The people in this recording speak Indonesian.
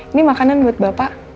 ini makanan buat bapak